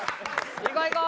いこういこう！